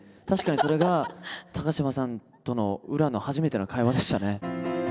確かにそれが嶋さんとの裏の初めての会話でしたね。